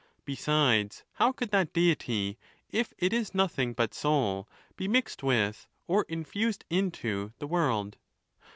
Besides, how could that Deity, if it is nothing but soul, be mixed with, or in fused into, the world